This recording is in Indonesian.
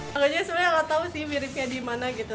makanya saya nggak tahu sih miripnya di mana gitu